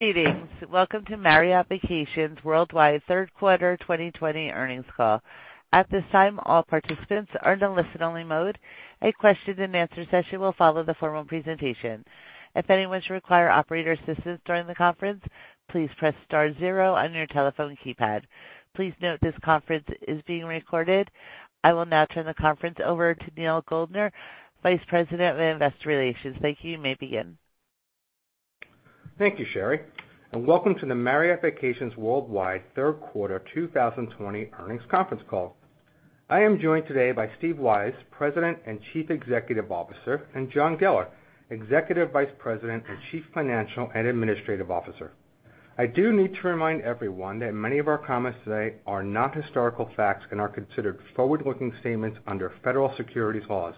Greetings. Welcome to Marriott Vacations Worldwide third quarter 2020 earnings call. At this time, all participants are in a listen-only mode. A question and answer session will follow the formal presentation. If anyone should require operator assistance during the conference, please press star 0 on your telephone keypad. Please note this conference is being recorded. I will now turn the conference over to Neal Goldner, Vice President of Investor Relations. Thank you. You may begin. Thank you, Sherry, and welcome to the Marriott Vacations Worldwide third quarter 2020 earnings conference call. I am joined today by Steve Weisz, President and Chief Executive Officer, and John Geller, Executive Vice President and Chief Financial and Administrative Officer. I do need to remind everyone that many of our comments today are not historical facts and are considered forward-looking statements under federal securities laws.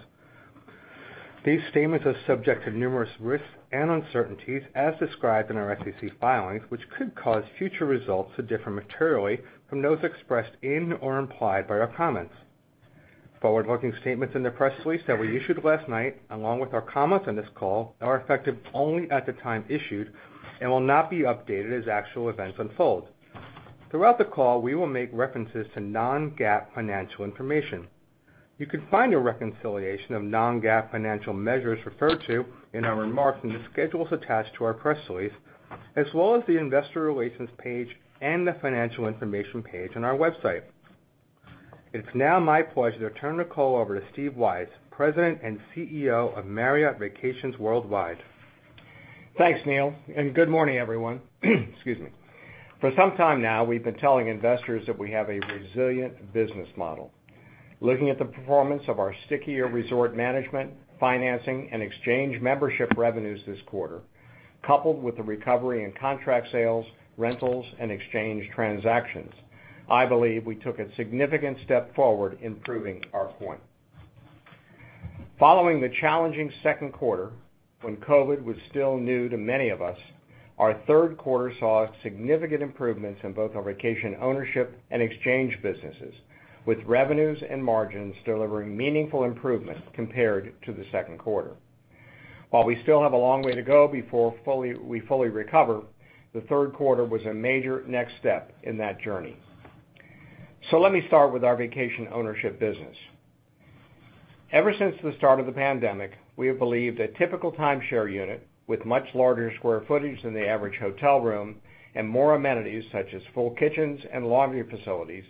These statements are subject to numerous risks and uncertainties as described in our SEC filings, which could cause future results to differ materially from those expressed in or implied by our comments. Forward-looking statements in the press release that we issued last night, along with our comments on this call, are effective only at the time issued and will not be updated as actual events unfold. Throughout the call, we will make references to non-GAAP financial information. You can find a reconciliation of non-GAAP financial measures referred to in our remarks in the schedules attached to our press release, as well as the investor relations page and the financial information page on our website. It's now my pleasure to turn the call over to Steve Weisz, President and CEO of Marriott Vacations Worldwide. Thanks, Neal, and good morning, everyone. Excuse me. For some time now, we've been telling investors that we have a resilient business model. Looking at the performance of our stickier resort management, financing, and exchange membership revenues this quarter, coupled with the recovery in contract sales, rentals, and exchange transactions, I believe we took a significant step forward in proving our point. Following the challenging second quarter, when COVID was still new to many of us, our third quarter saw significant improvements in both our vacation ownership and exchange businesses, with revenues and margins delivering meaningful improvement compared to the second quarter. While we still have a long way to go before we fully recover, the third quarter was a major next step in that journey. Let me start with our vacation ownership business. Ever since the start of the pandemic, we have believed a typical timeshare unit with much larger square footage than the average hotel room and more amenities such as full kitchens and laundry facilities,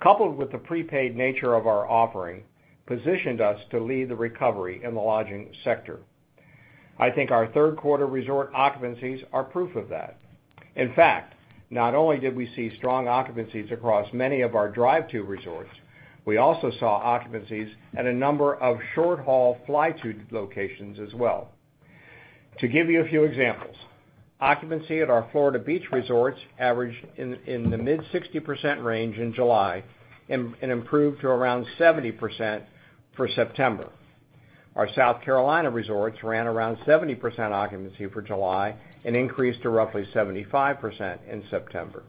coupled with the prepaid nature of our offering, positioned us to lead the recovery in the lodging sector. I think our third quarter resort occupancies are proof of that. In fact, not only did we see strong occupancies across many of our drive-to resorts, we also saw occupancies at a number of short-haul fly-to locations as well. To give you a few examples, occupancy at our Florida beach resorts averaged in the mid-60% range in July and improved to around 70% for September. Our South Carolina resorts ran around 70% occupancy for July and increased to roughly 75% in September.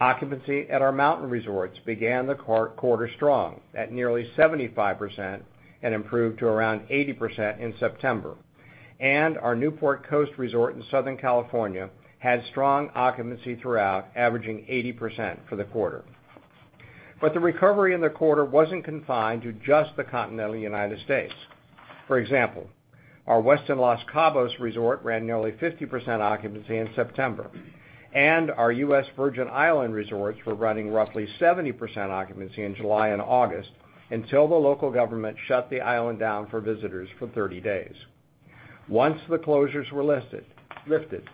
Occupancy at our mountain resorts began the quarter strong at nearly 75% and improved to around 80% in September. Our Newport Coast Resort in Southern California had strong occupancy throughout, averaging 80% for the quarter. The recovery in the quarter wasn't confined to just the continental United States. For example, our Westin Los Cabos Resort ran nearly 50% occupancy in September, and our U.S. Virgin Island resorts were running roughly 70% occupancy in July and August until the local government shut the island down for visitors for 30 days. Once the closures were lifted,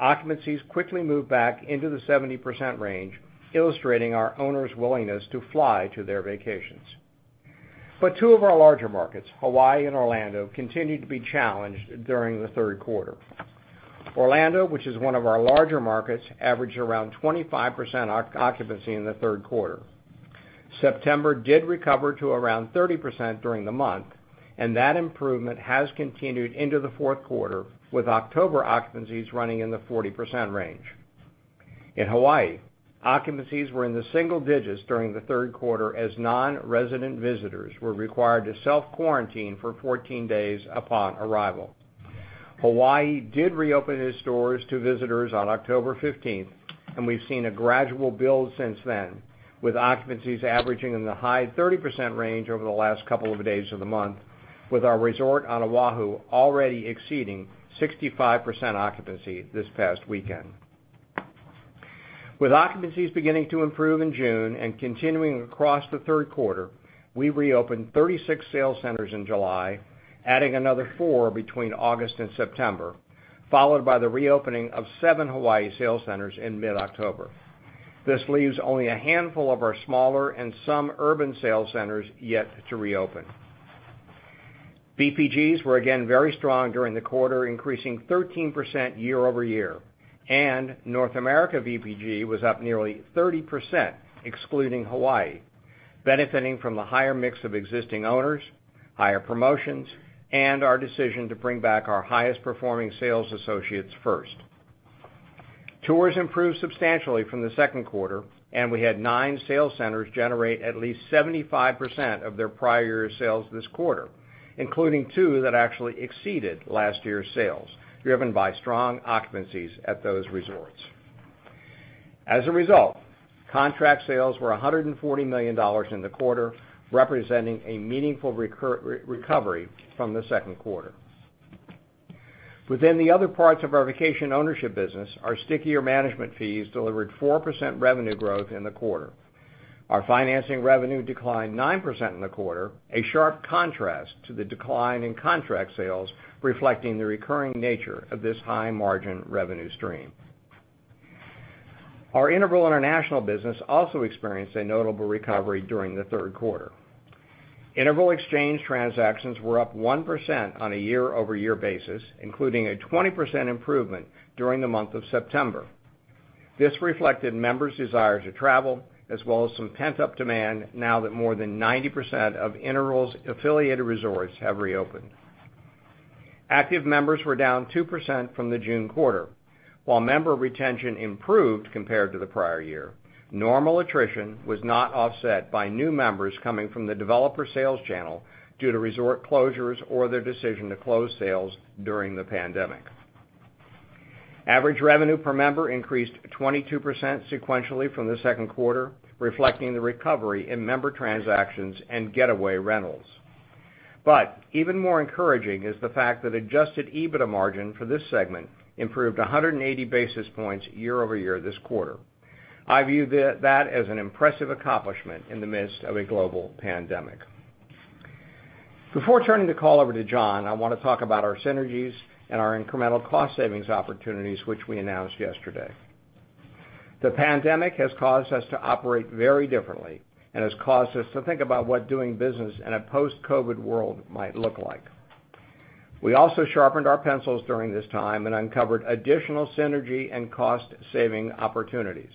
occupancies quickly moved back into the 70% range, illustrating our owners' willingness to fly to their vacations. Two of our larger markets, Hawaii and Orlando, continued to be challenged during the third quarter. Orlando, which is one of our larger markets, averaged around 25% occupancy in the third quarter. September did recover to around 30% during the month, and that improvement has continued into the fourth quarter, with October occupancies running in the 40% range. In Hawaii, occupancies were in the single digits during the third quarter, as non-resident visitors were required to self-quarantine for 14 days upon arrival. Hawaii did reopen its doors to visitors on October 15th, and we've seen a gradual build since then, with occupancies averaging in the high 30% range over the last couple of days of the month, with our resort on Oahu already exceeding 65% occupancy this past weekend. With occupancies beginning to improve in June and continuing across the third quarter, we reopened 36 sales centers in July, adding another four between August and September, followed by the reopening of seven Hawaii sales centers in mid-October. This leaves only a handful of our smaller and some urban sales centers yet to reopen. VPGs were again very strong during the quarter, increasing 13% year-over-year, and North America VPG was up nearly 30%, excluding Hawaii, benefiting from the higher mix of existing owners, higher promotions, and our decision to bring back our highest-performing sales associates first. Tours improved substantially from the second quarter, and we had nine sales centers generate at least 75% of their prior year sales this quarter, including two that actually exceeded last year's sales, driven by strong occupancies at those resorts. As a result, contract sales were $140 million in the quarter, representing a meaningful recovery from the second quarter. Within the other parts of our vacation ownership business, our stickier management fees delivered 4% revenue growth in the quarter. Our financing revenue declined 9% in the quarter, a sharp contrast to the decline in contract sales, reflecting the recurring nature of this high-margin revenue stream. Our Interval International business also experienced a notable recovery during the third quarter. Interval exchange transactions were up 1% on a year-over-year basis, including a 20% improvement during the month of September. This reflected members' desire to travel as well as some pent-up demand now that more than 90% of Interval's affiliated resorts have reopened. Active members were down 2% from the June quarter. While member retention improved compared to the prior year, normal attrition was not offset by new members coming from the developer sales channel due to resort closures or their decision to close sales during the pandemic. Average revenue per member increased 22% sequentially from the second quarter, reflecting the recovery in member transactions and getaway rentals. Even more encouraging is the fact that adjusted EBITDA margin for this segment improved 180 basis points year-over-year this quarter. I view that as an impressive accomplishment in the midst of a global pandemic. Before turning the call over to John, I want to talk about our synergies and our incremental cost savings opportunities, which we announced yesterday. The pandemic has caused us to operate very differently and has caused us to think about what doing business in a post-COVID world might look like. We also sharpened our pencils during this time and uncovered additional synergy and cost-saving opportunities.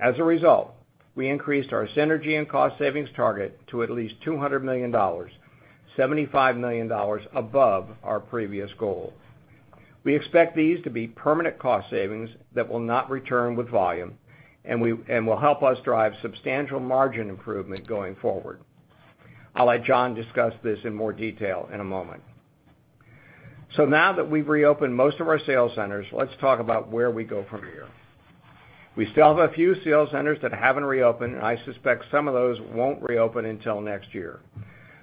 As a result, we increased our synergy and cost savings target to at least $200 million, $75 million above our previous goal. We expect these to be permanent cost savings that will not return with volume and will help us drive substantial margin improvement going forward. I'll let John discuss this in more detail in a moment. Now that we've reopened most of our sales centers, let's talk about where we go from here. We still have a few sales centers that haven't reopened, and I suspect some of those won't reopen until next year.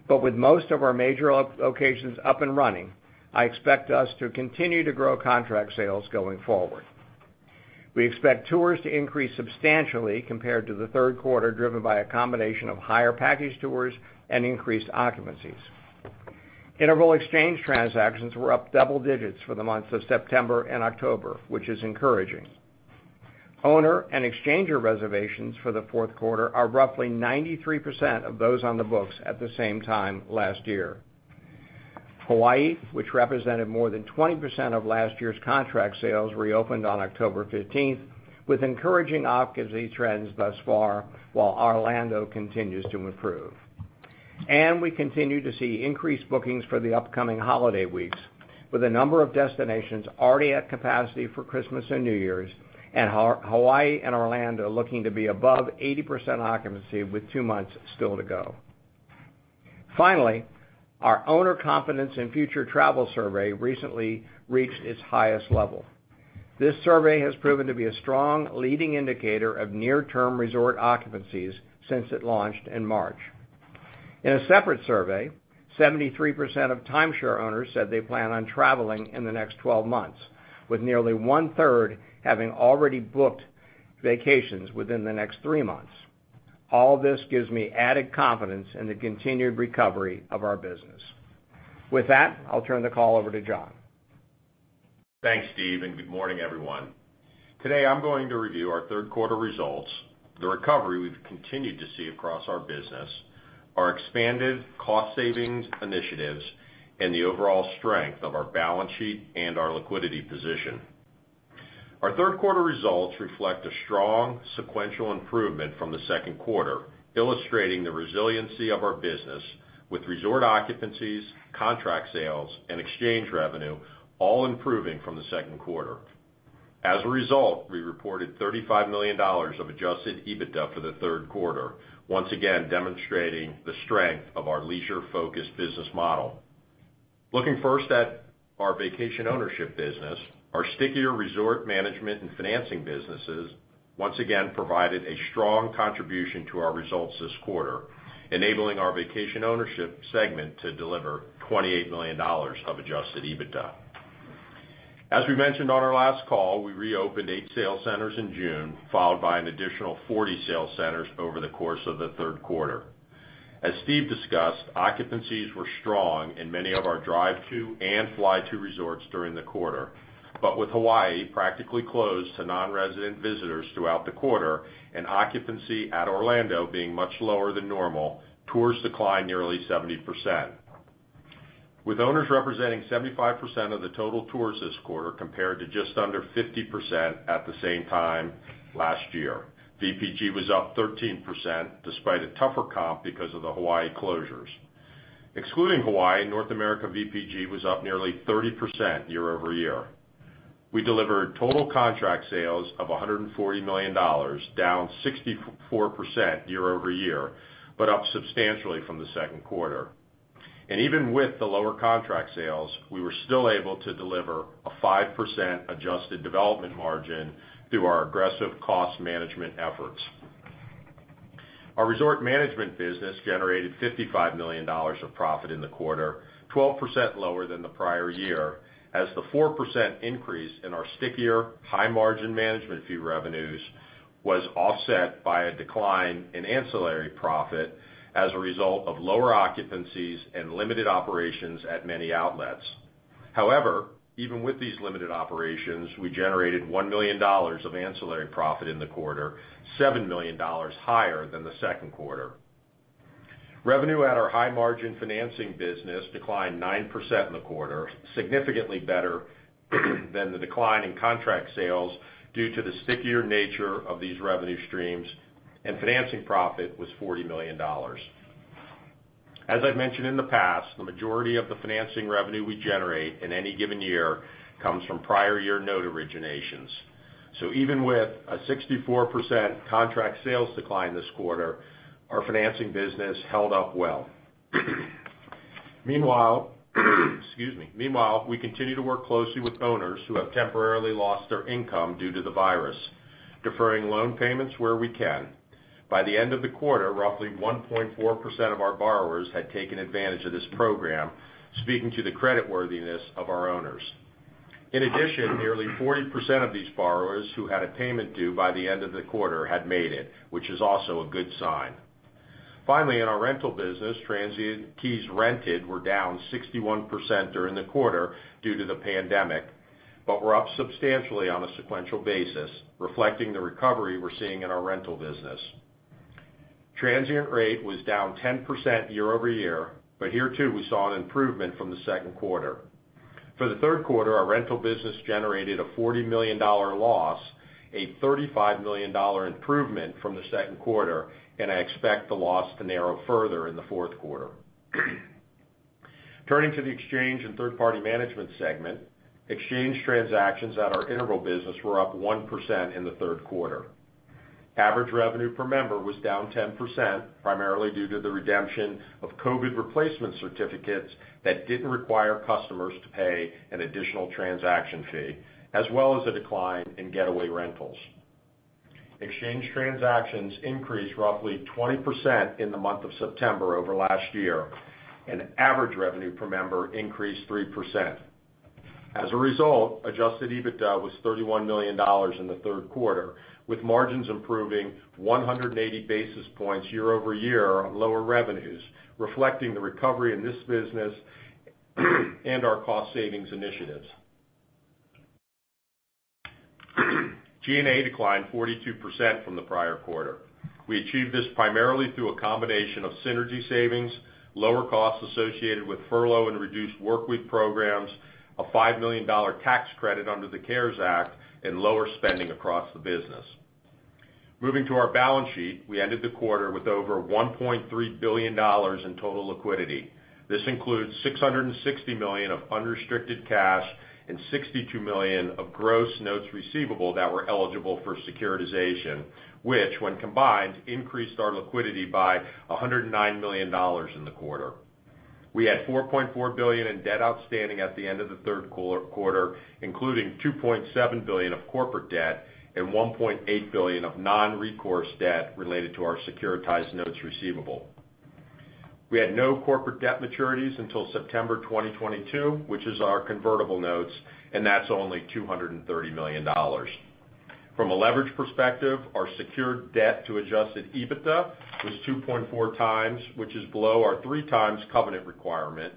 With most of our major locations up and running, I expect us to continue to grow contract sales going forward. We expect tours to increase substantially compared to the third quarter, driven by a combination of higher package tours and increased occupancies. Interval exchange transactions were up double digits for the months of September and October, which is encouraging. Owner and exchanger reservations for the fourth quarter are roughly 93% of those on the books at the same time last year. Hawaii, which represented more than 20% of last year's contract sales, reopened on October 15th, with encouraging occupancy trends thus far, while Orlando continues to improve. We continue to see increased bookings for the upcoming holiday weeks with a number of destinations already at capacity for Christmas and New Year's, and Hawaii and Orlando looking to be above 80% occupancy with two months still to go. Finally, our Owner Confidence in Future Travel Survey recently reached its highest level. This survey has proven to be a strong leading indicator of near-term resort occupancies since it launched in March. In a separate survey, 73% of timeshare owners said they plan on traveling in the next 12 months, with nearly one-third having already booked vacations within the next three months. All this gives me added confidence in the continued recovery of our business. With that, I'll turn the call over to John. Thanks, Steve, good morning, everyone. Today, I'm going to review our third quarter results, the recovery we've continued to see across our business, our expanded cost savings initiatives, and the overall strength of our balance sheet and our liquidity position. Our third quarter results reflect a strong sequential improvement from the second quarter, illustrating the resiliency of our business with resort occupancies, contract sales, and exchange revenue all improving from the second quarter. As a result, we reported $35 million of adjusted EBITDA for the third quarter, once again demonstrating the strength of our leisure-focused business model. Looking first at our vacation ownership business, our stickier resort management and financing businesses once again provided a strong contribution to our results this quarter, enabling our vacation ownership segment to deliver $28 million of adjusted EBITDA. As we mentioned on our last call, we reopened eight sales centers in June, followed by an additional 40 sales centers over the course of the third quarter. As Steve discussed, occupancies were strong in many of our drive-to and fly-to resorts during the quarter. With Hawaii practically closed to non-resident visitors throughout the quarter and occupancy at Orlando being much lower than normal, tours declined nearly 70%. With owners representing 75% of the total tours this quarter, compared to just under 50% at the same time last year. VPG was up 13%, despite a tougher comp because of the Hawaii closures. Excluding Hawaii, North America VPG was up nearly 30% year-over-year. We delivered total contract sales of $140 million, down 64% year-over-year, but up substantially from the second quarter. Even with the lower contract sales, we were still able to deliver a 5% adjusted development margin through our aggressive cost management efforts. Our resort management business generated $55 million of profit in the quarter, 12% lower than the prior year as the 4% increase in our stickier high margin management fee revenues was offset by a decline in ancillary profit as a result of lower occupancies and limited operations at many outlets. However, even with these limited operations, we generated $1 million of ancillary profit in the quarter, $7 million higher than the second quarter. Revenue at our high margin financing business declined 9% in the quarter, significantly better than the decline in contract sales due to the stickier nature of these revenue streams, and financing profit was $40 million. As I've mentioned in the past, the majority of the financing revenue we generate in any given year comes from prior year note originations. Even with a 64% contract sales decline this quarter, our financing business held up well. Meanwhile, we continue to work closely with owners who have temporarily lost their income due to the virus, deferring loan payments where we can. By the end of the quarter, roughly 1.4% of our borrowers had taken advantage of this program, speaking to the creditworthiness of our owners. In addition, nearly 40% of these borrowers who had a payment due by the end of the quarter had made it, which is also a good sign. Finally, in our rental business, transient keys rented were down 61% during the quarter due to the pandemic, but were up substantially on a sequential basis, reflecting the recovery we're seeing in our rental business. Transient rate was down 10% year-over-year, but here too, we saw an improvement from the second quarter. For the third quarter, our rental business generated a $40 million loss, a $35 million improvement from the second quarter, and I expect the loss to narrow further in the fourth quarter. Turning to the exchange and third-party management segment, exchange transactions at our Interval International business were up 1% in the third quarter. Average revenue per member was down 10%, primarily due to the redemption of COVID replacement certificates that didn't require customers to pay an additional transaction fee, as well as a decline in getaway rentals. Exchange transactions increased roughly 20% in the month of September over last year, and average revenue per member increased 3%. As a result, adjusted EBITDA was $31 million in the third quarter, with margins improving 180 basis points year-over-year on lower revenues, reflecting the recovery in this business and our cost savings initiatives. G&A declined 42% from the prior quarter. We achieved this primarily through a combination of synergy savings, lower costs associated with furlough and reduced workweek programs, a $5 million tax credit under the CARES Act, and lower spending across the business. Moving to our balance sheet, we ended the quarter with over $1.3 billion in total liquidity. This includes $660 million of unrestricted cash and $62 million of gross notes receivable that were eligible for securitization, which when combined, increased our liquidity by $109 million in the quarter. We had $4.4 billion in debt outstanding at the end of the third quarter, including $2.7 billion of corporate debt and $1.8 billion of non-recourse debt related to our securitized notes receivable. We had no corporate debt maturities until September 2022, which is our convertible notes, and that's only $230 million. From a leverage perspective, our secured debt to adjusted EBITDA was 2.4 times, which is below our 3 times covenant requirement.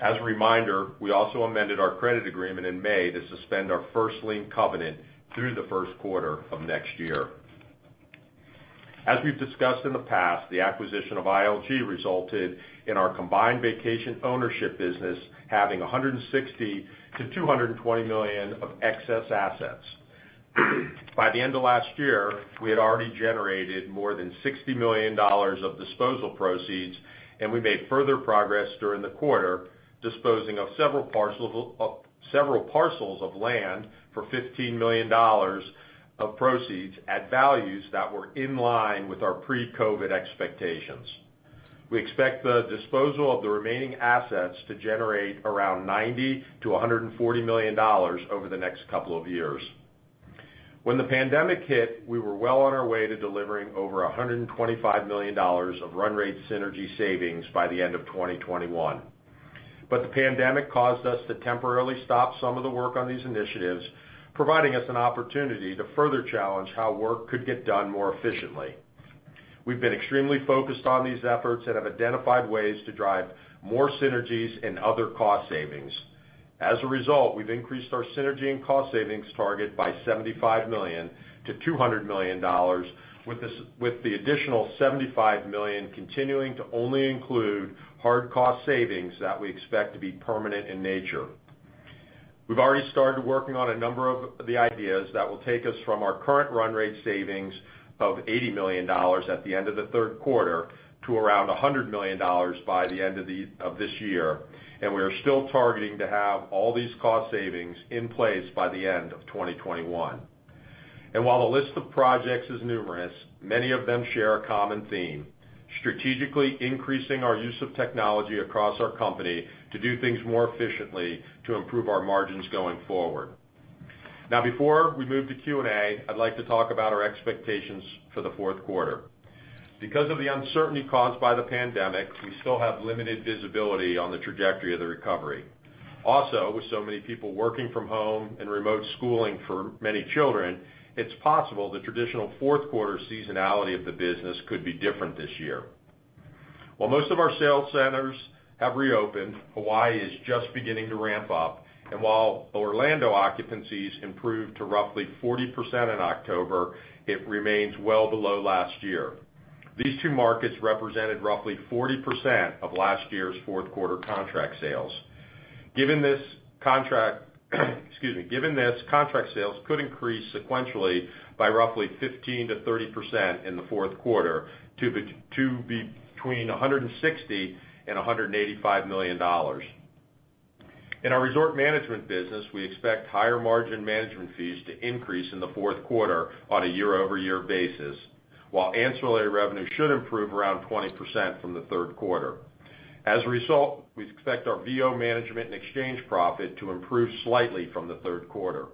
As a reminder, we also amended our credit agreement in May to suspend our first lien covenant through the first quarter of next year. As we've discussed in the past, the acquisition of ILG resulted in our combined vacation ownership business having $160 million-$220 million of excess assets. By the end of last year, we had already generated more than $60 million of disposal proceeds, and we made further progress during the quarter, disposing of several parcels of land for $15 million of proceeds at values that were in line with our pre-COVID expectations. We expect the disposal of the remaining assets to generate around $90 million-$140 million over the next couple of years. When the pandemic hit, we were well on our way to delivering over $125 million of run rate synergy savings by the end of 2021. The pandemic caused us to temporarily stop some of the work on these initiatives, providing us an opportunity to further challenge how work could get done more efficiently. We've been extremely focused on these efforts and have identified ways to drive more synergies and other cost savings. As a result, we've increased our synergy and cost savings target by $75 million to $200 million with the additional $75 million continuing to only include hard cost savings that we expect to be permanent in nature. We've already started working on a number of the ideas that will take us from our current run rate savings of $80 million at the end of the third quarter to around $100 million by the end of this year. We are still targeting to have all these cost savings in place by the end of 2021. While the list of projects is numerous, many of them share a common theme, strategically increasing our use of technology across our company to do things more efficiently to improve our margins going forward. Now, before we move to Q&A, I'd like to talk about our expectations for the fourth quarter. Because of the uncertainty caused by the pandemic, we still have limited visibility on the trajectory of the recovery. With so many people working from home and remote schooling for many children, it's possible the traditional fourth quarter seasonality of the business could be different this year. While most of our sales centers have reopened, Hawaii is just beginning to ramp up. While Orlando occupancies improved to roughly 40% in October, it remains well below last year. These two markets represented roughly 40% of last year's fourth quarter contract sales. Given this, contract sales could increase sequentially by roughly 15%-30% in the fourth quarter to between $160 million and $185 million. In our resort management business, we expect higher margin management fees to increase in the fourth quarter on a year-over-year basis, while ancillary revenue should improve around 20% from the third quarter. As a result, we expect our VO management and exchange profit to improve slightly from the third quarter.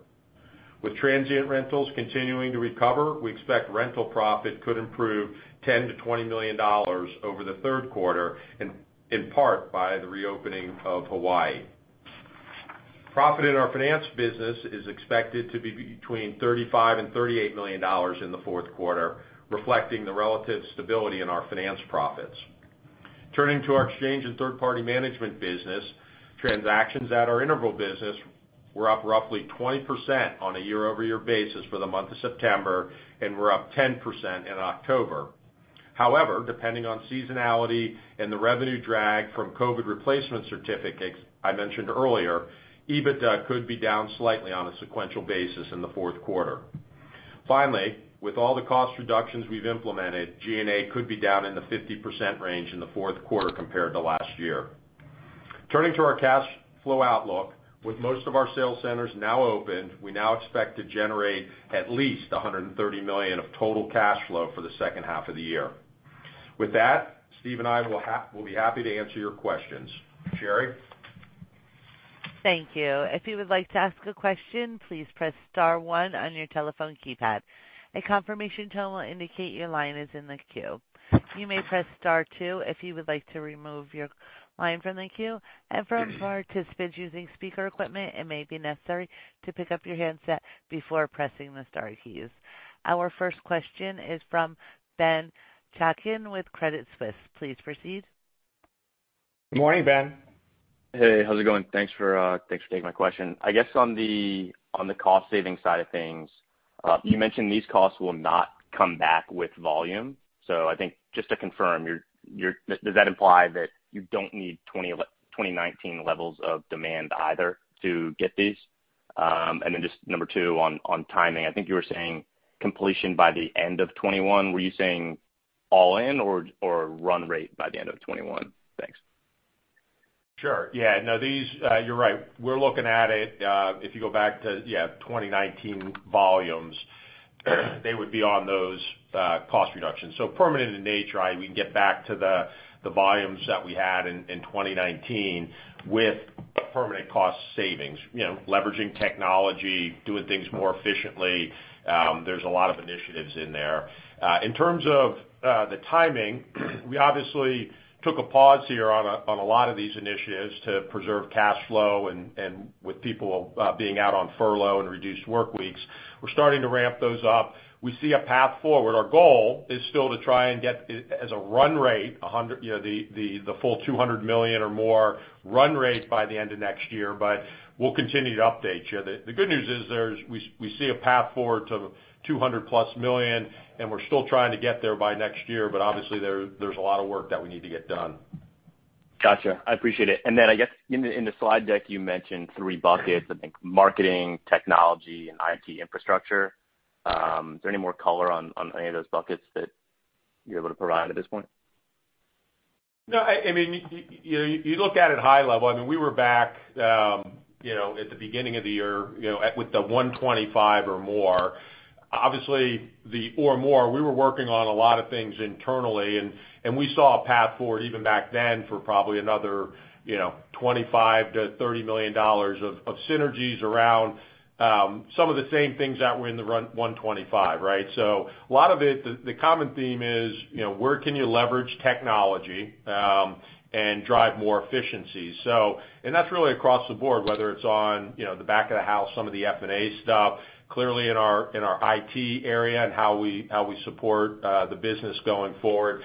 With transient rentals continuing to recover, we expect rental profit could improve $10 million-$20 million over the third quarter, in part by the reopening of Hawaii. Profit in our finance business is expected to be between $35 million and $38 million in the fourth quarter, reflecting the relative stability in our finance profits. Turning to our exchange and third-party management business, transactions at our Interval business were up roughly 20% on a year-over-year basis for the month of September and were up 10% in October. However, depending on seasonality and the revenue drag from COVID replacement certificates I mentioned earlier, EBITDA could be down slightly on a sequential basis in the fourth quarter. Finally, with all the cost reductions we've implemented, G&A could be down in the 50% range in the fourth quarter compared to last year. Turning to our cash flow outlook, with most of our sales centers now open, we now expect to generate at least $130 million of total cash flow for the second half of the year. With that, Steve and I will be happy to answer your questions. Sherry? Thank you. If you would like to ask a question, please press star one on your telephone keypad. A confirmation tone will indicate your line is in the queue. You may press star two if you would like to remove your line from the queue. For participants using speaker equipment, it may be necessary to pick up your handset before pressing the star keys. Our first question is from Ben Chaiken with Credit Suisse. Please proceed. Good morning, Ben. Hey, how's it going? Thanks for taking my question. I guess on the cost-saving side of things, you mentioned these costs will not come back with volume. I think just to confirm, does that imply that you don't need 2019 levels of demand either to get these? Just number 2 on timing. I think you were saying completion by the end of 2021. Were you saying all in or run rate by the end of 2021? Thanks. Sure. Yeah. No, you're right. We're looking at it, if you go back to, yeah, 2019 volumes, they would be on those cost reductions. Permanent in nature, i.e., we can get back to the volumes that we had in 2019 with permanent cost savings. Leveraging technology, doing things more efficiently. There's a lot of initiatives in there. In terms of the timing, we obviously took a pause here on a lot of these initiatives to preserve cash flow and with people being out on furlough and reduced workweeks. We're starting to ramp those up. We see a path forward. Our goal is still to try and get as a run rate, the full $200 million or more run rate by the end of next year, but we'll continue to update you. The good news is we see a path forward to $200 million plus. We're still trying to get there by next year. Obviously there's a lot of work that we need to get done. Gotcha. I appreciate it. I guess in the slide deck, you mentioned three buckets. I think marketing, technology, and IT infrastructure. Is there any more color on any of those buckets that you're able to provide at this point? You look at it high level. We were back at the beginning of the year with the 125 or more. Obviously, the or more, we were working on a lot of things internally, and we saw a path forward even back then for probably another $25 million-$30 million of synergies around some of the same things that were in the run 125, right? A lot of it, the common theme is where can you leverage technology and drive more efficiency? That's really across the board, whether it's on the back of the house, some of the F&A stuff, clearly in our IT area and how we support the business going forward.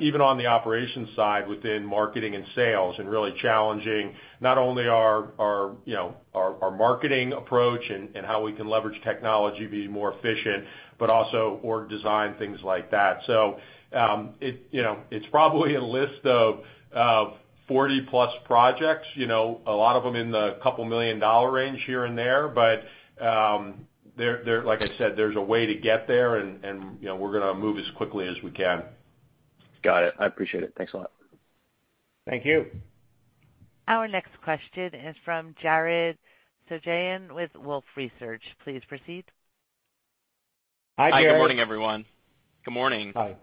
Even on the operations side within marketing and sales, and really challenging not only our marketing approach and how we can leverage technology to be more efficient, but also org design, things like that. 40-plus projects, a lot of them in the couple million dollar range here and there, like I said, there's a way to get there and we're going to move as quickly as we can. Got it. I appreciate it. Thanks a lot. Thank you. Our next question is from Jared Shojaian with Wolfe Research. Please proceed. Hi, Jared. Hi, good morning, everyone. Good morning. Hi.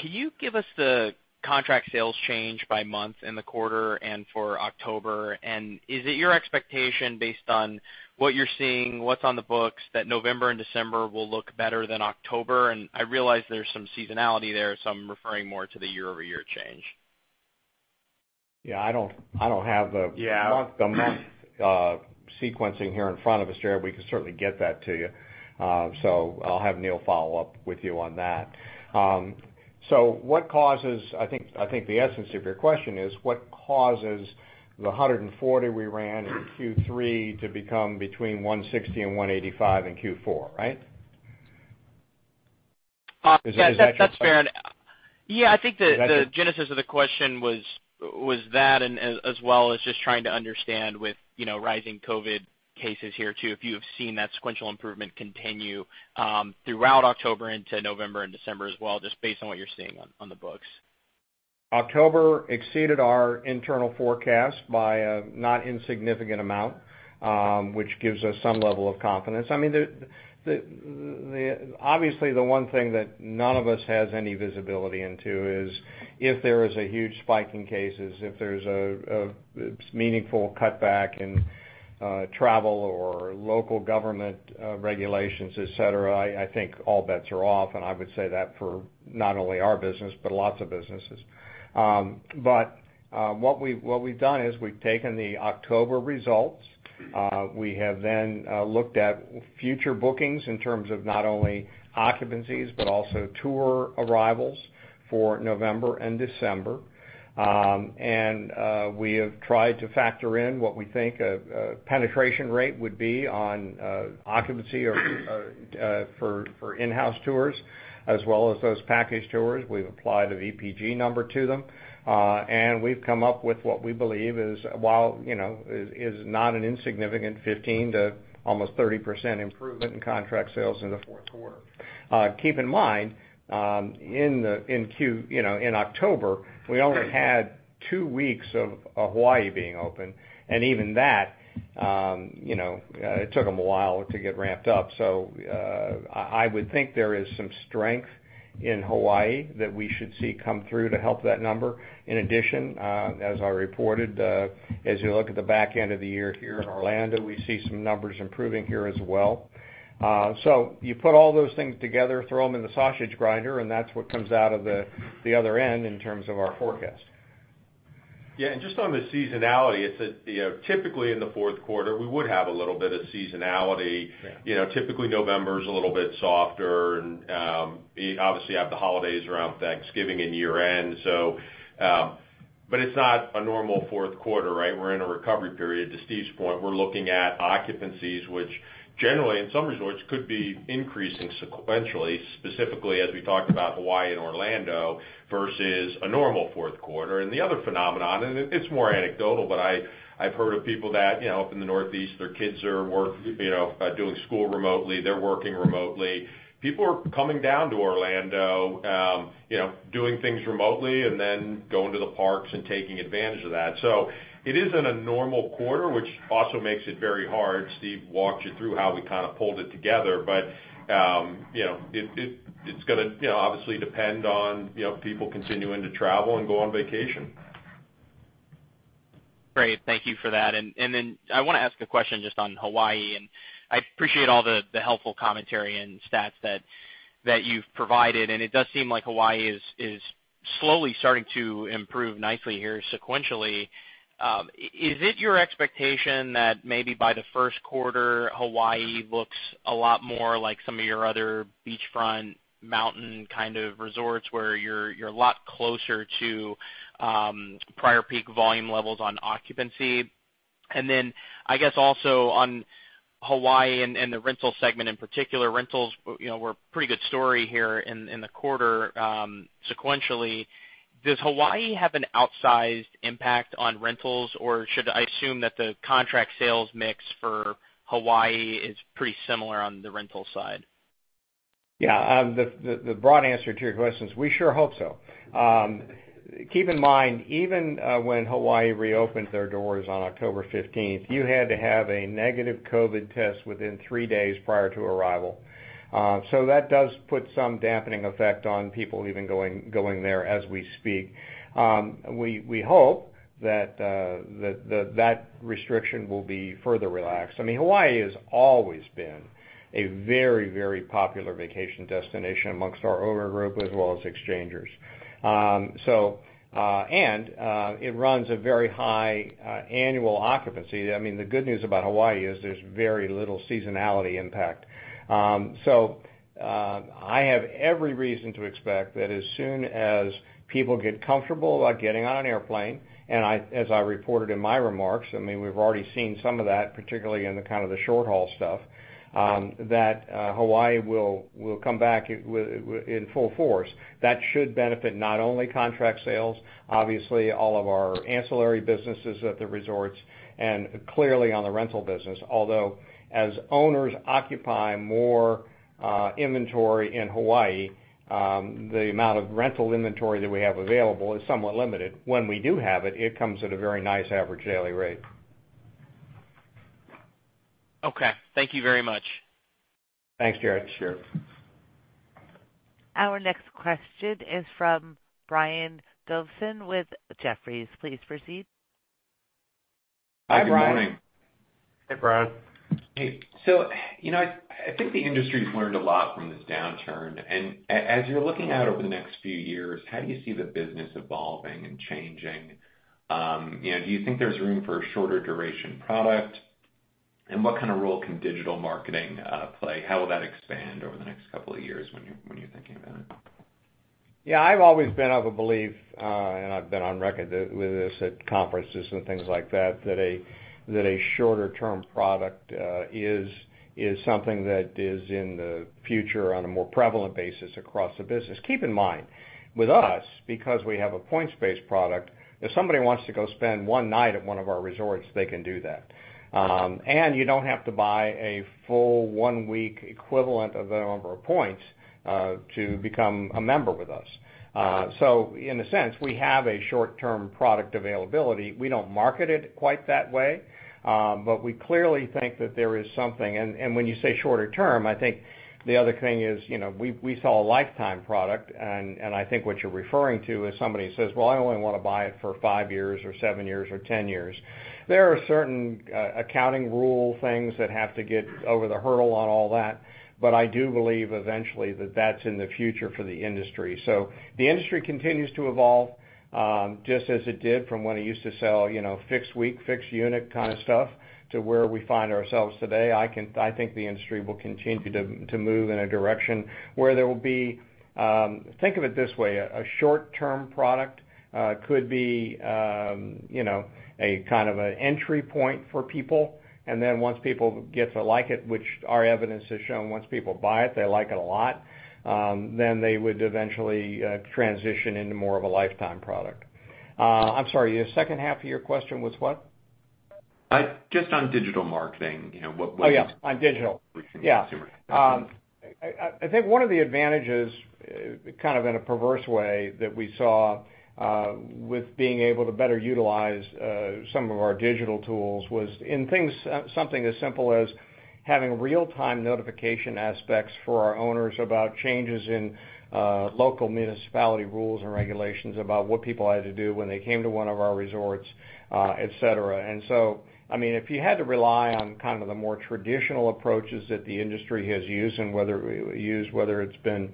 Can you give us the contract sales change by month in the quarter and for October? Is it your expectation based on what you're seeing, what's on the books, that November and December will look better than October? I realize there's some seasonality there, so I'm referring more to the year-over-year change. Yeah, I don't have the- Yeah month sequencing here in front of us, Jared. We can certainly get that to you. I'll have Neal follow up with you on that. I think the essence of your question is what causes the $140 we ran in Q3 to become between $160 and $185 in Q4, right? Is that your question? Yeah, that's fair. Yeah, I think the genesis of the question was that, as well as just trying to understand with rising COVID cases here too, if you have seen that sequential improvement continue throughout October into November and December as well, just based on what you're seeing on the books. October exceeded our internal forecast by a not insignificant amount, which gives us some level of confidence. Obviously, the one thing that none of us has any visibility into is if there is a huge spike in cases, if there's a meaningful cutback in travel or local government regulations, et cetera, I think all bets are off, and I would say that for not only our business, but lots of businesses. What we've done is we've taken the October results. We have then looked at future bookings in terms of not only occupancies, but also tour arrivals for November and December. We have tried to factor in what we think a penetration rate would be on occupancy for in-house tours as well as those package tours. We've applied a VPG number to them. We've come up with what we believe is not an insignificant 15% to almost 30% improvement in contract sales in the fourth quarter. Keep in mind, in October, we only had two weeks of Hawaii being open, and even that, it took them a while to get ramped up. I would think there is some strength in Hawaii that we should see come through to help that number. In addition, as I reported, as you look at the back end of the year here in Orlando, we see some numbers improving here as well. You put all those things together, throw them in the sausage grinder, and that's what comes out of the other end in terms of our forecast. Yeah. Just on the seasonality, typically in the fourth quarter, we would have a little bit of seasonality. Yeah. Typically November is a little bit softer and obviously have the holidays around Thanksgiving and year-end. It's not a normal fourth quarter, right? We're in a recovery period. To Steve's point, we're looking at occupancies, which generally in some resorts could be increasing sequentially, specifically as we talked about Hawaii and Orlando versus a normal fourth quarter. The other phenomenon, and it's more anecdotal, but I've heard of people that up in the Northeast, their kids are doing school remotely. They're working remotely. People are coming down to Orlando, doing things remotely and then going to the parks and taking advantage of that. It isn't a normal quarter, which also makes it very hard. Steve walked you through how we kind of pulled it together. It's going to obviously depend on people continuing to travel and go on vacation. Great. Thank you for that. I want to ask a question just on Hawaii, and I appreciate all the helpful commentary and stats that you've provided, and it does seem like Hawaii is slowly starting to improve nicely here sequentially. Is it your expectation that maybe by the first quarter, Hawaii looks a lot more like some of your other beachfront mountain kind of resorts, where you're a lot closer to prior peak volume levels on occupancy? I guess also on Hawaii and the rental segment in particular, rentals were a pretty good story here in the quarter sequentially. Does Hawaii have an outsized impact on rentals, or should I assume that the contract sales mix for Hawaii is pretty similar on the rental side? Yeah. The broad answer to your question is we sure hope so. Keep in mind, even when Hawaii reopened their doors on October 15th, you had to have a negative COVID test within three days prior to arrival. That does put some dampening effect on people even going there as we speak. We hope that that restriction will be further relaxed. Hawaii has always been a very, very popular vacation destination amongst our owner group as well as exchangers. It runs a very high annual occupancy. The good news about Hawaii is there's very little seasonality impact. I have every reason to expect that as soon as people get comfortable about getting on an airplane, and as I reported in my remarks, we've already seen some of that, particularly in the short haul stuff, that Hawaii will come back in full force. That should benefit not only contract sales, obviously all of our ancillary businesses at the resorts, and clearly on the rental business, although as owners occupy more inventory in Hawaii, the amount of rental inventory that we have available is somewhat limited. When we do have it comes at a very nice average daily rate. Okay. Thank you very much. Thanks, Jared. Sure. Our next question is from Brian Dobson with Jefferies. Please proceed. Hi, Brian. Good morning. Hey, Brian. Hey. I think the industry's learned a lot from this downturn, and as you're looking out over the next few years, how do you see the business evolving and changing? Do you think there's room for a shorter duration product? What kind of role can digital marketing play? How will that expand over the next couple of years when you're thinking about it? Yeah. I've always been of a belief, and I've been on record with this at conferences and things like that a shorter-term product is something that is in the future on a more prevalent basis across the business. Keep in mind, with us, because we have a points-based product, if somebody wants to go spend one night at one of our resorts, they can do that. You don't have to buy a full one-week equivalent of the number of points, to become a member with us. In a sense, we have a short-term product availability. We don't market it quite that way, but we clearly think that there is something. When you say shorter term, I think the other thing is, we sell a lifetime product, and I think what you're referring to is somebody who says, "Well, I only want to buy it for five years, or seven years, or 10 years." There are certain accounting rule things that have to get over the hurdle on all that, but I do believe eventually that that's in the future for the industry. The industry continues to evolve, just as it did from when it used to sell fixed week, fixed unit kind of stuff to where we find ourselves today. I think the industry will continue to move in a direction where there will be Think of it this way, a short-term product could be an entry point for people. Once people get to like it, which our evidence has shown once people buy it, they like it a lot, then they would eventually transition into more of a lifetime product. I'm sorry, your second half of your question was what? Just on digital marketing- Oh, yeah. On digital reaching the consumer. Yeah. I think one of the advantages, kind of in a perverse way that we saw with being able to better utilize some of our digital tools was in something as simple as having real-time notification aspects for our owners about changes in local municipality rules and regulations about what people had to do when they came to one of our resorts, et cetera. If you had to rely on the more traditional approaches that the industry has used, whether it's been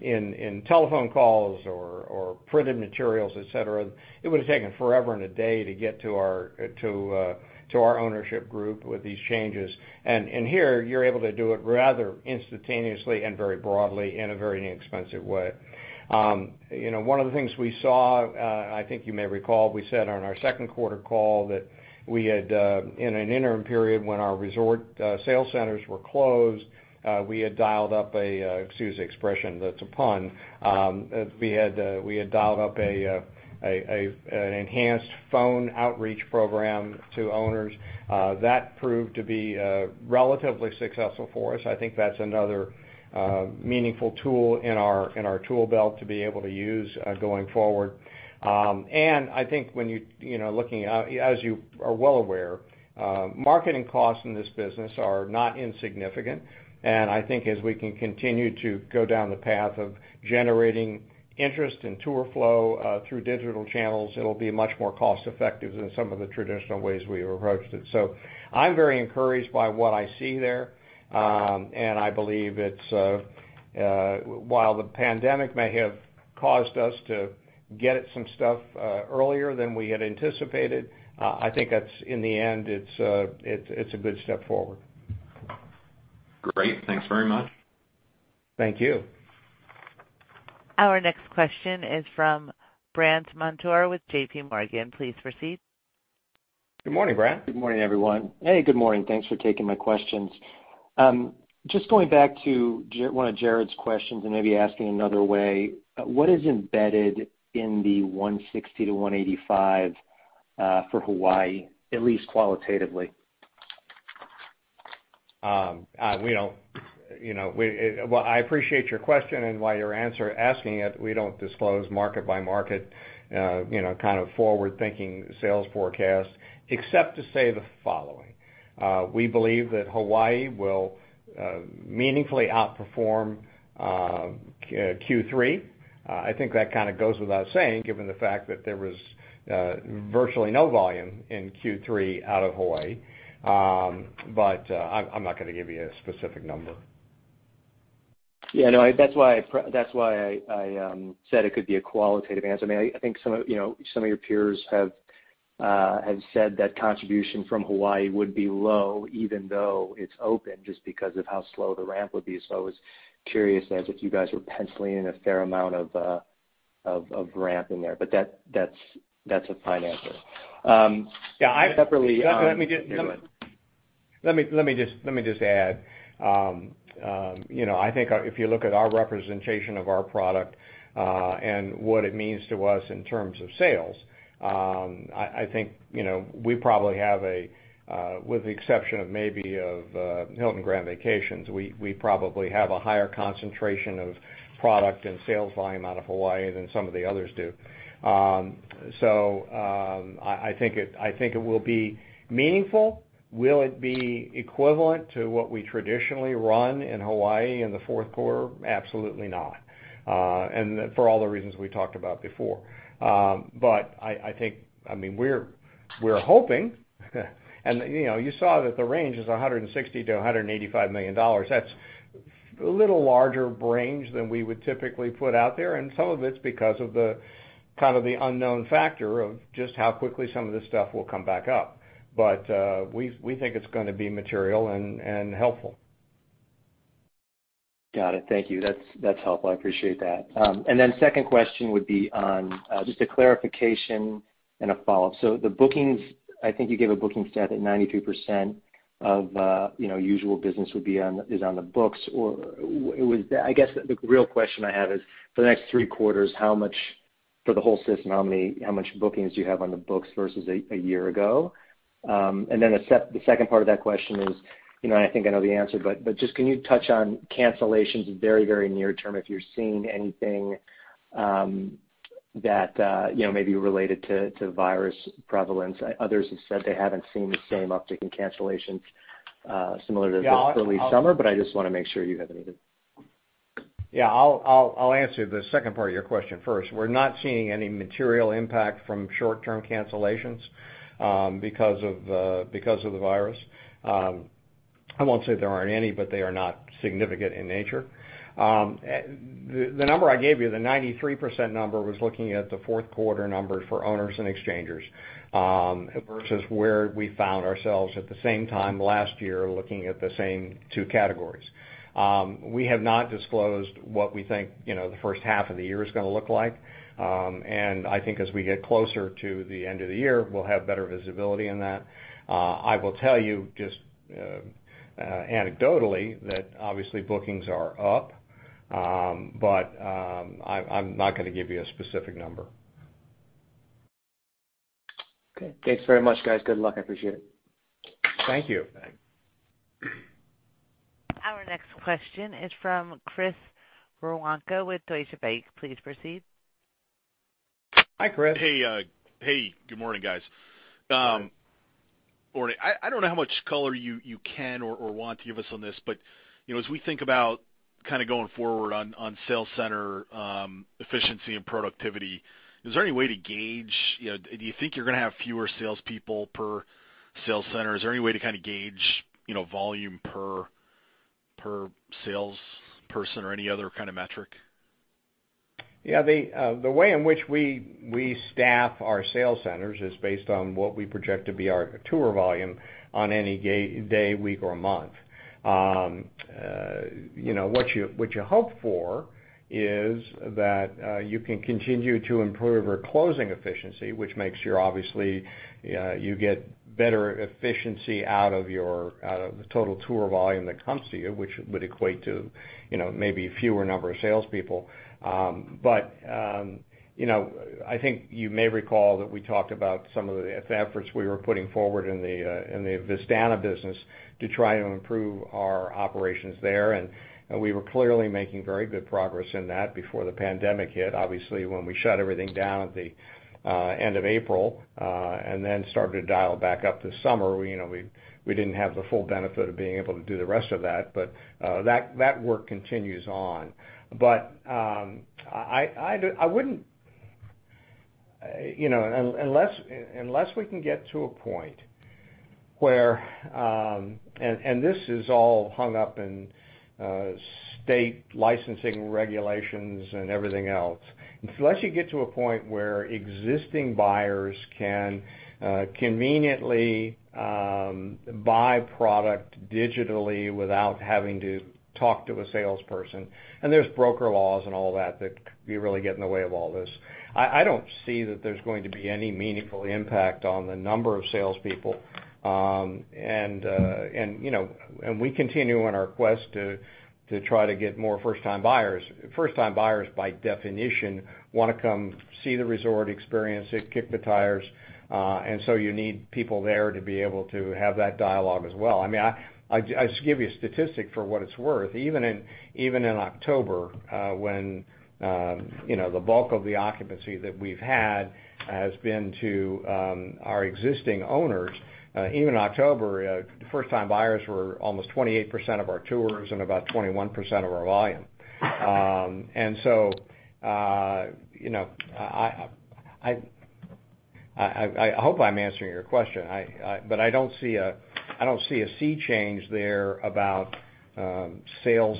in telephone calls or printed materials, et cetera, it would've taken forever and a day to get to our ownership group with these changes. Here, you're able to do it rather instantaneously and very broadly in a very inexpensive way. One of the things we saw, I think you may recall, we said on our second quarter call that we had, in an interim period when our resort sales centers were closed, we had dialed up a, excuse the expression, but it's a pun, we had dialed up an enhanced phone outreach program to owners. That proved to be relatively successful for us. I think that's another meaningful tool in our tool belt to be able to use going forward. I think as you are well aware, marketing costs in this business are not insignificant. I think as we can continue to go down the path of generating interest and tour flow through digital channels, it'll be much more cost effective than some of the traditional ways we approached it. I'm very encouraged by what I see there. I believe while the pandemic may have caused us to get at some stuff earlier than we had anticipated, I think that in the end it's a good step forward. Great. Thanks very much. Thank you. Our next question is from Brandt Montour with JP Morgan. Please proceed. Good morning, Brandt. Good morning, everyone. Hey, good morning. Thanks for taking my questions. Just going back to one of Jared's questions and maybe asking another way, what is embedded in the 160 to 185 for Hawaii, at least qualitatively? Well, I appreciate your question and why you're asking it. We don't disclose market by market kind of forward-thinking sales forecasts, except to say the following. We believe that Hawaii will meaningfully outperform Q3. I think that kind of goes without saying given the fact that there was virtually no volume in Q3 out of Hawaii. I'm not going to give you a specific number. Yeah, no. That's why I said it could be a qualitative answer. I think some of your peers have said that contribution from Hawaii would be low, even though it's open, just because of how slow the ramp would be. I was curious as if you guys were penciling in a fair amount of ramp in there. That's a fine answer. Yeah. Separately- Let me just add. I think if you look at our representation of our product, and what it means to us in terms of sales, I think we probably have, with the exception of maybe of Hilton Grand Vacations, we probably have a higher concentration of product and sales volume out of Hawaii than some of the others do. I think it will be meaningful. Will it be equivalent to what we traditionally run in Hawaii in the fourth quarter? Absolutely not. For all the reasons we talked about before. I think we're hoping, and you saw that the range is $160 million-$185 million. That's a little larger range than we would typically put out there, and some of it's because of the unknown factor of just how quickly some of this stuff will come back up. We think it's going to be material and helpful. Got it. Thank you. That's helpful, I appreciate that. Then second question would be on just a clarification and a follow-up. The bookings, I think you gave a booking stat that 93% of usual business is on the books. I guess the real question I have is, for the next three quarters, how much for the whole system, how much bookings do you have on the books versus a year ago? Then the second part of that question is, and I think I know the answer, but just can you touch on cancellations very near term, if you're seeing anything that may be related to virus prevalence? Others have said they haven't seen the same uptick in cancellations similar to early summer, but I just want to make sure you haven't either. Yeah, I'll answer the second part of your question first. We're not seeing any material impact from short-term cancellations because of the virus. I won't say there aren't any, but they are not significant in nature. The number I gave you, the 93% number, was looking at the fourth quarter numbers for owners and exchangers versus where we found ourselves at the same time last year looking at the same two categories. We have not disclosed what we think the first half of the year is going to look like. I think as we get closer to the end of the year, we'll have better visibility in that. I will tell you just anecdotally that obviously bookings are up, but I'm not going to give you a specific number. Okay. Thanks very much, guys. Good luck. I appreciate it. Thank you. Thanks. Our next question is from Chris Woronka with Deutsche Bank. Please proceed. Hi, Chris. Hey. Good morning, guys. Tell me, I don't know how much color you can or want to give us on this, but as we think about going forward on sales center efficiency and productivity, do you think you're going to have fewer salespeople per sales center? Is there any way to gauge volume per salesperson or any other kind of metric? Yeah. The way in which we staff our sales centers is based on what we project to be our tour volume on any day, week, or month. What you hope for is that you can continue to improve your closing efficiency. You get better efficiency out of the total tour volume that comes to you, which would equate to maybe a fewer number of salespeople. I think you may recall that we talked about some of the efforts we were putting forward in the Vistana business to try to improve our operations there, and we were clearly making very good progress in that before the pandemic hit. Obviously, when we shut everything down at the end of April, and then started to dial back up this summer, we didn't have the full benefit of being able to do the rest of that. That work continues on. Unless we can get to a point where And this is all hung up in state licensing regulations and everything else. Unless you get to a point where existing buyers can conveniently buy product digitally without having to talk to a salesperson, and there's broker laws and all that really get in the way of all this. I don't see that there's going to be any meaningful impact on the number of salespeople. We continue on our quest to try to get more first-time buyers. First-time buyers, by definition, want to come see the resort, experience it, kick the tires. You need people there to be able to have that dialogue as well. I mean, I'll just give you a statistic for what it's worth. Even in October, when the bulk of the occupancy that we've had has been to our existing owners. Even in October, first-time buyers were almost 28% of our tours and about 21% of our volume. I hope I'm answering your question. I don't see a sea change there about sales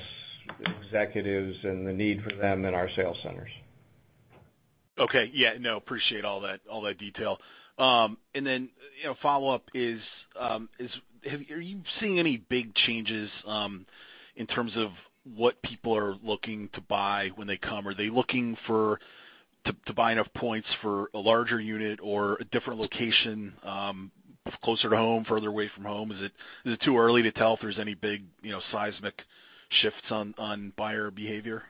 executives and the need for them in our sales centers. Okay. Yeah, no, appreciate all that detail. Follow-up is, are you seeing any big changes in terms of what people are looking to buy when they come? Are they looking to buy enough points for a larger unit or a different location, closer to home, further away from home? Is it too early to tell if there's any big seismic shifts on buyer behavior?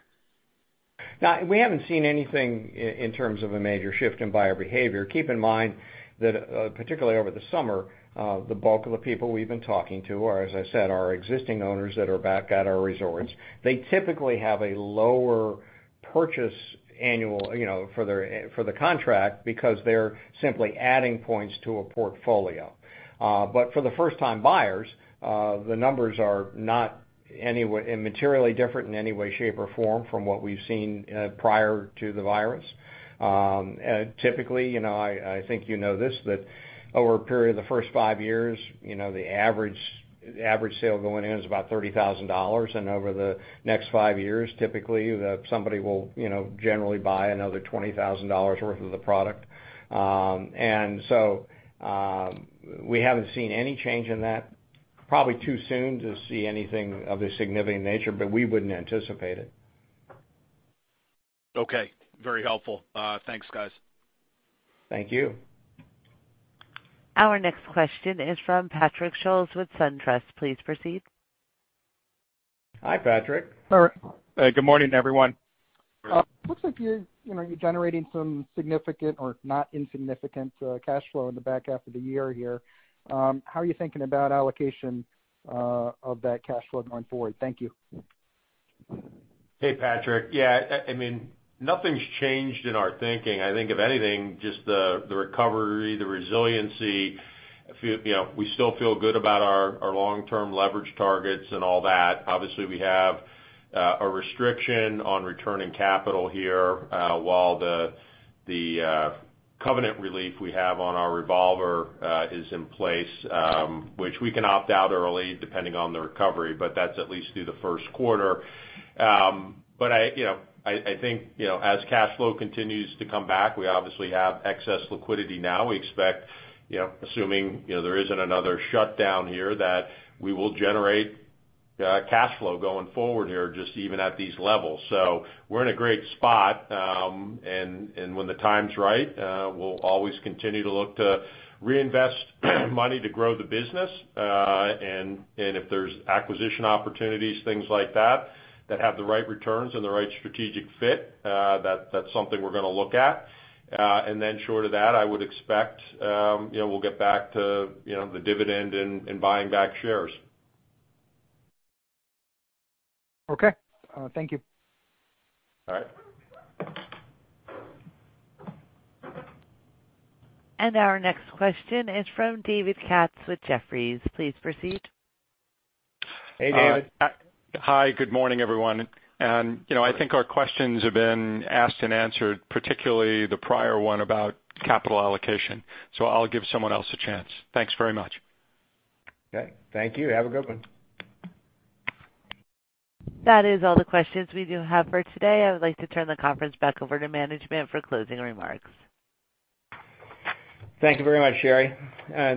No, we haven't seen anything in terms of a major shift in buyer behavior. Keep in mind that, particularly over the summer, the bulk of the people we've been talking to are, as I said, are existing owners that are back at our resorts. They typically have a lower purchase annual for the contract because they're simply adding points to a portfolio. For the first-time buyers, the numbers are not materially different in any way, shape, or form from what we've seen prior to the virus. Typically, I think you know this, that over a period of the first five years, the average sale going in is about $30,000. Over the next five years, typically, somebody will generally buy another $20,000 worth of the product. We haven't seen any change in that. Probably too soon to see anything of a significant nature, but we wouldn't anticipate it. Okay. Very helpful. Thanks, guys. Thank you. Our next question is from Patrick Scholes with SunTrust. Please proceed. Hi, Patrick. Good morning, everyone. It looks like you're generating some significant or not insignificant cash flow in the back half of the year here. How are you thinking about allocation of that cash flow going forward? Thank you. Hey, Patrick. Yeah, nothing's changed in our thinking. I think if anything, just the recovery, the resiliency. We still feel good about our long-term leverage targets and all that. Obviously, we have a restriction on returning capital here while the covenant relief we have on our revolver is in place, which we can opt out early depending on the recovery, but that's at least through the first quarter. I think as cash flow continues to come back, we obviously have excess liquidity now. We expect, assuming there isn't another shutdown here, that we will generate cash flow going forward here, just even at these levels. We're in a great spot. When the time's right, we'll always continue to look to reinvest money to grow the business. If there's acquisition opportunities, things like that have the right returns and the right strategic fit, that's something we're going to look at. Then short of that, I would expect we'll get back to the dividend and buying back shares. Okay. Thank you. All right. Our next question is from David Katz with Jefferies. Please proceed. Hey, David. Hi, good morning, everyone. I think our questions have been asked and answered, particularly the prior one about capital allocation. I'll give someone else a chance. Thanks very much. Okay. Thank you. Have a good one. That is all the questions we do have for today. I would like to turn the conference back over to management for closing remarks. Thank you very much, Sherry.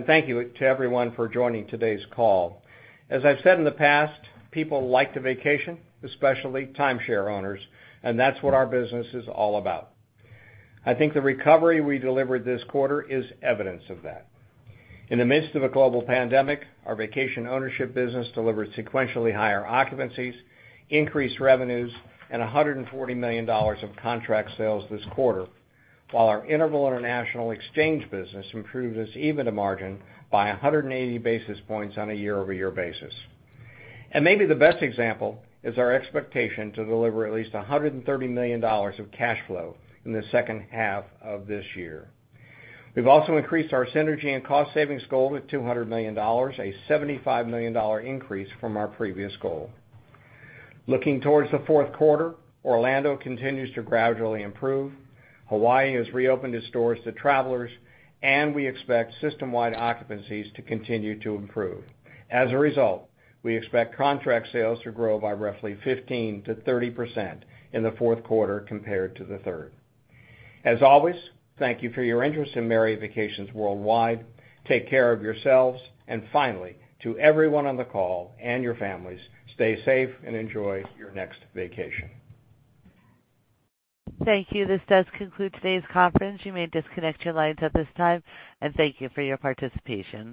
Thank you to everyone for joining today's call. As I've said in the past, people like to vacation, especially timeshare owners, and that's what our business is all about. I think the recovery we delivered this quarter is evidence of that. In the midst of a global pandemic, our vacation ownership business delivered sequentially higher occupancies, increased revenues, and $140 million of contract sales this quarter, while our Interval International exchange business improved its EBITDA margin by 180 basis points on a year-over-year basis. Maybe the best example is our expectation to deliver at least $130 million of cash flow in the second half of this year. We've also increased our synergy and cost savings goal to $200 million, a $75 million increase from our previous goal. Looking towards the fourth quarter, Orlando continues to gradually improve, Hawaii has reopened its doors to travelers, and we expect system-wide occupancies to continue to improve. As a result, we expect contract sales to grow by roughly 15%-30% in the fourth quarter compared to the third. As always, thank you for your interest in Marriott Vacations Worldwide. Take care of yourselves, and finally, to everyone on the call and your families, stay safe and enjoy your next vacation. Thank you. This does conclude today's conference. You may disconnect your lines at this time, and thank you for your participation.